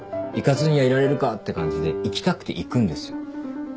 行かずにはいられるかって感じで行きたくて行くんです。